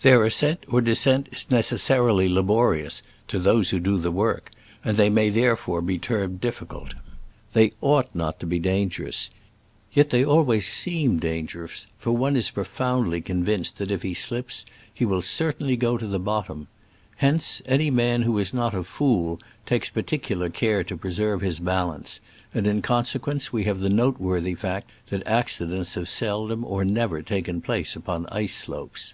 Their ascent or descent is necessarily laborious (to those who do the work), and they may therefore be termed difficult. They ought not to be dangerous. Yet they always seem dangerous, for one is profoundly convinced that if he slips he will certainly go to the bottom. Hence, any man who is not a fool takes particular care to pre serve his balance, and in consequence we have the noteworthy fact that acci dents have seldom or never taken place upon ice slopes.